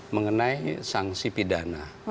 mengenai sanksi pidana